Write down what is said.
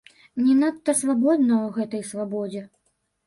Не надта свабодна у гэтай свабодзе.